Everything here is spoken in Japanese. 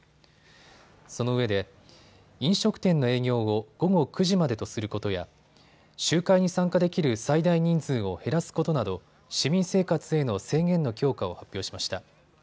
そのうえで飲食店の営業を午後９時までとすることや集会に参加できる最大人数を減らすことなど市民生活への制限の強化を発表しました。